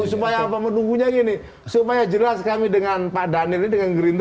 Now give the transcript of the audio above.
supaya apa menunggunya gini supaya jelas kami dengan pak daniel ini dengan gerindra